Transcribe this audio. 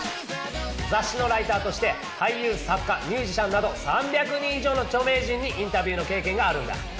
雑誌のライターとして俳優作家ミュージシャンなど３００人以上の著名人にインタビューの経験があるんだ。